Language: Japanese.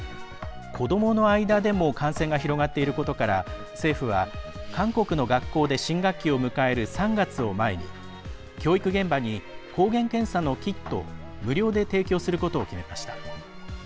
子どもの間でも感染が広がっていることから政府は、韓国の学校で新学期を迎える３月を前に教育現場に抗原検査のキットを無料で提供することを決めました。